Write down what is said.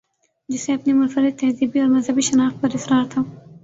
جسے اپنی منفردتہذیبی اورمذہبی شناخت پر اصرار تھا۔